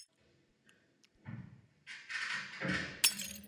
Jeho zájem o hudbu tím ale nepřestal.